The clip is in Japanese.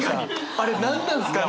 あれ何なんすかね？